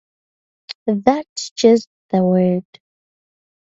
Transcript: That's just the word.